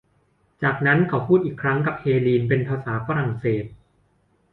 จากนั้นเขาพูดอีกครั้งกับเฮลีนเป็นภาษาฝรั่งเศส